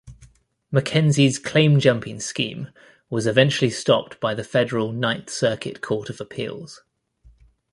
McKenzie's claim-jumping scheme was eventually stopped by the federal Ninth Circuit Court of Appeals.